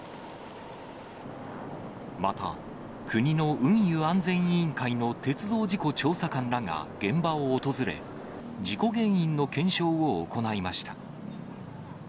また、国の運輸安全委員会の鉄道事故調査官らが現場を訪れ、事故原因の検証を行いました。